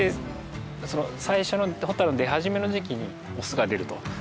その最初のホタルの出始めの時期にオスが出ると。